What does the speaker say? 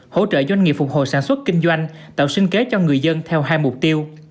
hỗ trợ doanh nghiệp phục hồi sản xuất kinh doanh tạo sinh kế cho người dân theo hai mục tiêu